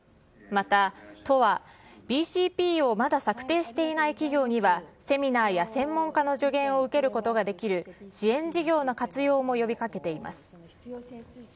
また、都は、ＢＣＰをまだ策定していない企業には、セミナーや専門家の助言を受けることができる支援事業の活用も呼びかけています。